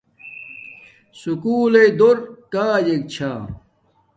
سکُول لݵ دور کاجک چھا